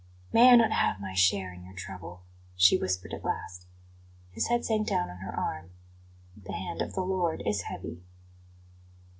"May I not have my share in your trouble?" she whispered at last. His head sank down on her arm. "The hand of the Lord is heavy."